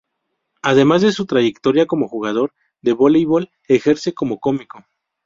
Además de su trayectoria como jugador de voleibol, ejerce como cómico.